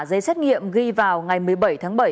giấy xét nghiệm ghi vào ngày một mươi bảy tháng bảy